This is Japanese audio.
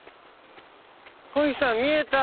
こひさん見えた！